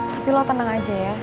tapi lo tenang aja ya